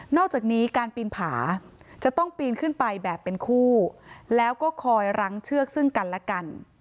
อกจากนี้การปีนผาจะต้องปีนขึ้นไปแบบเป็นคู่แล้วก็คอยรั้งเชือกซึ่งกันและกัน